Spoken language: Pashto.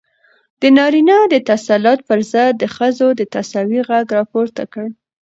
د نارينه د تسلط پر ضد د ښځو د تساوۍ غږ راپورته کړ.